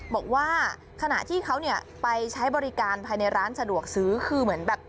บอกว่าขณะที่เขาไปใช้บริการภายในร้านสะดวกซื้อ